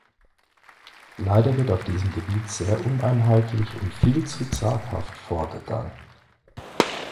Leider wird auf diesem Gebiet sehr uneinheitlich und viel zu zaghaft vorgegangen.